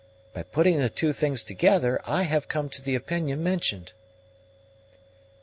By putting the two things together, I have come to the opinion mentioned."